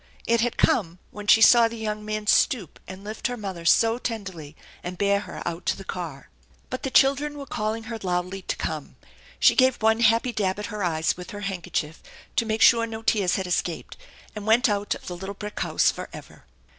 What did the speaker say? It had come when she saw the young man stoop and lift her mother so tenderly and bear her out to the car. 130 THE ENCHANTED BARN But the children were calling her loudly to come. She gave one happy dab at her eyes with her handkerchief to make sure no tears had escaped, and went out of the little brick house forever.